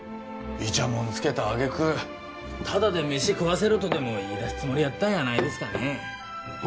いちゃもんつけた揚げ句タダで飯食わせろとでも言い出すつもりやったんやないですかねは